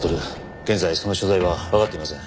現在その所在はわかっていません。